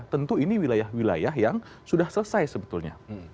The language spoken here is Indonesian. tentu ini wilayah wilayah yang sudah selesai sebetulnya